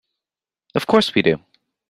Of course we do.